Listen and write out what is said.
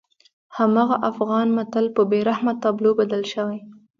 هماغه افغان متل په بېرحمه تابلو بدل شوی.